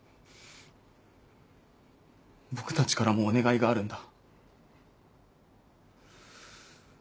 僕たちからもお願いがあるんだ。